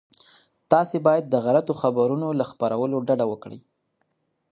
تاسي باید د غلطو خبرونو له خپرولو ډډه وکړئ.